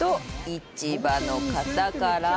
市場の方から。